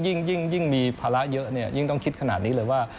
ยิ่งมีภาระเยอะยิ่งต้องคิดขนาดนี้เลยว่า